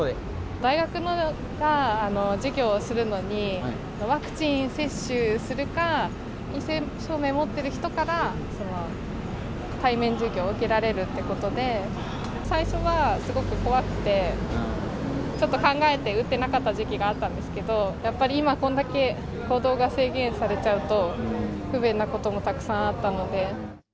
大学が授業するのに、ワクチン接種するか、陰性証明持ってる人から、対面授業を受けられるということで、最初はすごく怖くて、ちょっと考えて打ってなかった時期があったんですけど、やっぱり今、こんだけ行動が制限されちゃうと、不便なこともたくさんあったので。